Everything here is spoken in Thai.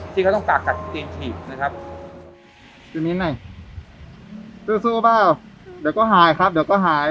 ที่เขาต้องตากัดกลิ่นถีบนะครับ